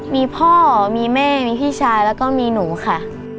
มีพ่อมีแม่มีพี่ชายแล้วก็มีหนูค่ะ